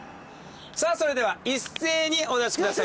さあそれでは一斉にお出しください。